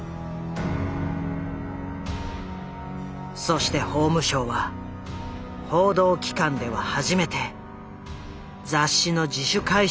そして法務省は報道機関では初めて雑誌の自主回収を要請した。